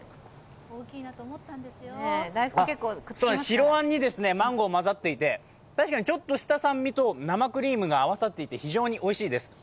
白あんにマンゴーが混ざってて確かにちょっとした酸味と生クリームが合わさっていて、非常においしいです。